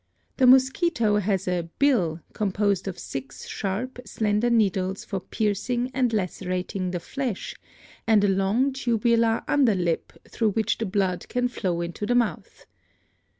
The mosquito has a 'bill' composed of six sharp, slender needles for piercing and lacerating the flesh and a long tubular under lip through which the blood can flow into the mouth.